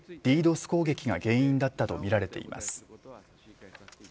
攻撃が原因だったとみられています。